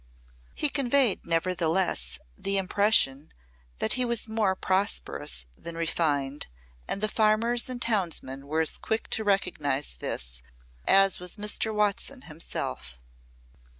He conveyed, nevertheless, the impression that he was more prosperous than refined, and the farmers and townsmen were as quick to recognize this as was Mr. Watson himself.